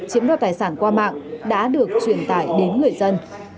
chiếm đoạt tài sản qua mạng đã được truyền tải đến người dân